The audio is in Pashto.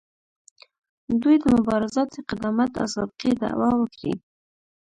دوی د مبارزاتي قدامت او سابقې دعوه وکړي.